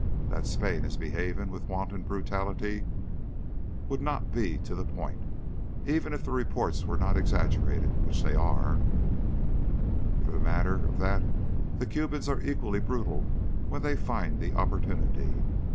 That Spain is behaving with wanton brutality would not be to the point, even if the reports were not exaggerated, which they are, for the matter of that, the Cubans are equally brutal when they find the opportunity.